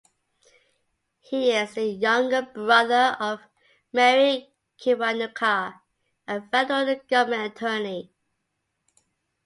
He is the younger brother of Mary Kiwanuka, a federal government attorney.